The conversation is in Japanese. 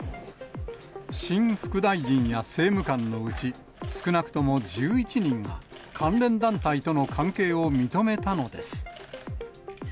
新副大臣や政務官のうち、少なくとも１１人が、関連団体との関係を認めたのです。